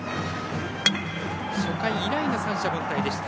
初回以来の三者凡退でした。